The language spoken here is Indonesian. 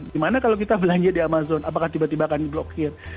gimana kalau kita belanja di amazon apakah tiba tiba akan diblokir